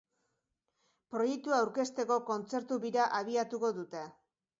Proiektua aurkezteko kontzertu-bira abiatuko dute.